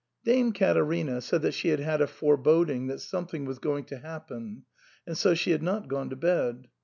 Dame Caterina said that she had had a foreboding that something was going to happen, and so she had not gone to bed.